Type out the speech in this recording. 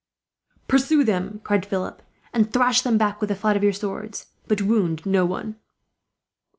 "Pursue them," Philip cried, "and thrash them back with the flat of your swords, but wound no one."